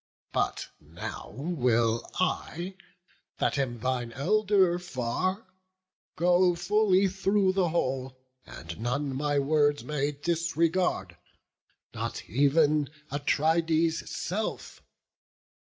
But now will I, that am thine elder far, Go fully through the whole; and none my words May disregard, not ev'n Atrides' self.